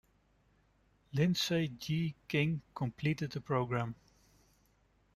Lindsay G. King, completed the program.